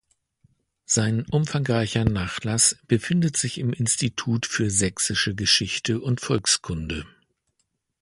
Sein umfangreicher Nachlass befindet sich im Institut für Sächsische Geschichte und Volkskunde.